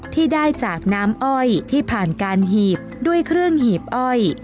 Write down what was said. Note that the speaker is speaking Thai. ที่ได้จากน้ำอ้อยที่ผ่านการหีบด้วยเครื่องหีบอ้อย